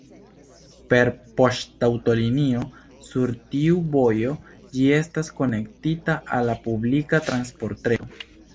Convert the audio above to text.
Per poŝtaŭtolinio sur tiu vojo, ĝi estas konektita al la publika transportreto.